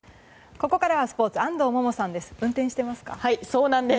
ここからはスポーツ安藤萌々さんです。